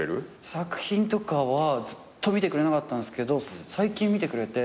作品とかはずっと見てくれなかったんすけど最近見てくれて。